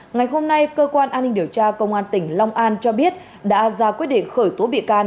ngày hôm nay cơ quan an ninh điều tra công an tỉnh long an cho biết đã ra quyết định khởi tố bị can